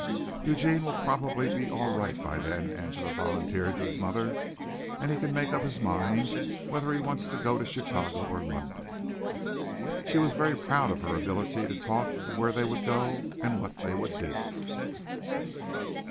"Eugene will probably be all right by then," Angela volunteered to his mother, "and he can make up his mind whether he wants to go to Chicago or London." She was very proud of her ability to talk of where they would go and what they would do.